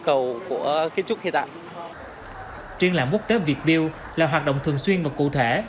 cầu của kiến trúc hiện tại triên lãm quốc tế vietbuild là hoạt động thường xuyên và cụ thể